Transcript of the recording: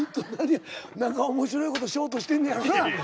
何か面白いことしようとしてんねやろうなぁ。